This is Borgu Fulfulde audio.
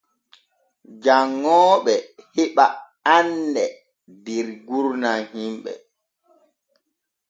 Janŋooɓe heɓa anɗe dow gurdam himɓe.